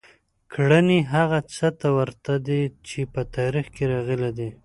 کړنې هغه څه ته ورته دي چې په تاریخ کې راغلي دي.